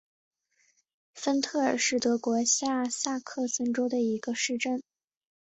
芬特尔是德国下萨克森州的一个市镇。